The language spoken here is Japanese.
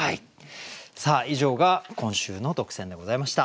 さあ以上が今週の特選でございました。